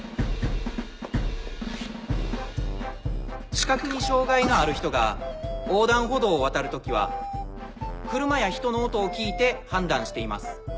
視覚に障がいのある人が横断歩道を渡る時は車や人の音を聞いて判断しています。